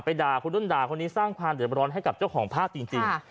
ด่าคนนู้นด่าคนนี้สร้างความเด็บร้อนให้กับเจ้าของภาพจริง